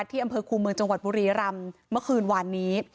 ที่อำเภอคูเมืองจังหวัดบุรีรำเมื่อคืนวานนี้